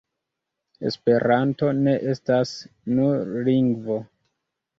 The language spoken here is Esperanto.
Esperanto ne estas nur lingvo.